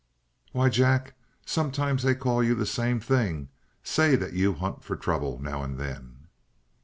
"Why, Jack, sometimes they call you the same thing; say that you hunt for trouble now and then!"